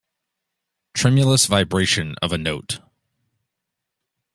Tremulous vibration of a note